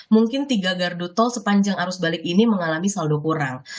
mungkin tiga gardu tol sepanjang arus balik ini mengalami saldo kurang